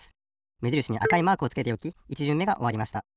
めじるしにあかいマークをつけておき１じゅんめがおわりました。